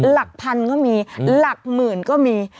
หลักพันก็มีหลักหมื่นก็มี